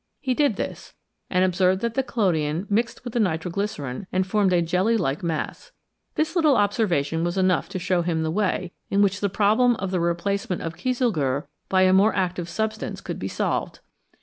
He did this, and observed that the collodion mixed with the nitro glycerine and formed a jelly like mass. This little observation was enough to show him the way in which the problem of the replacement of kieselguhr by a more active sub stance could be solved.